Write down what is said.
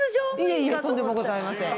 いえいえとんでもございません。